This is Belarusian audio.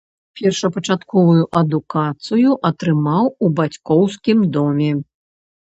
Першапачатковую адукацыю атрымаў у бацькоўскім доме.